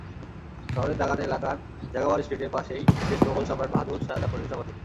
শহরের দাগান এলাকার জাগাওয়ার স্ট্রিটের পাশেই শেষ মোগল সম্রাট বাহাদুর শাহ জাফরের সমাধি।